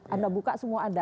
anda buka semua ada